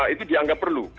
itu dianggap perlu